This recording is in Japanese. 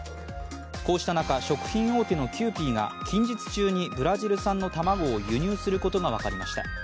こうした中、食品大手のキユーピーが近日中にブラジル産の卵を輸入することが分かりました。